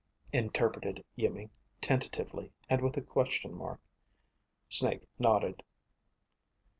interpreted Iimmi, tentatively, and with a question mark. Snake nodded.